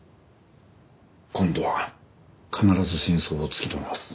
今度は必ず真相を突き止めます。